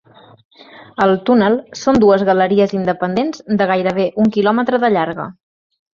El túnel són dues galeries independents de gairebé un quilòmetre de llarga.